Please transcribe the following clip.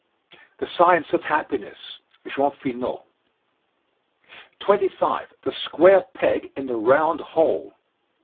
"The Science of Happiness," Jean Finot. 25. THE SQUARE PEG IN THE ROUND HOLE.